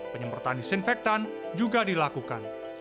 penyemprotan disinfektan juga dilakukan